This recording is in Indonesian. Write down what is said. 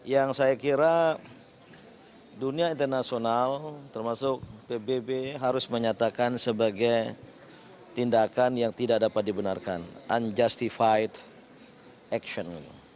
yang saya kira dunia internasional termasuk pbb harus menyatakan sebagai tindakan yang tidak dapat dibenarkan unjustified action